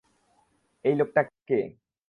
এই লোকটা কে?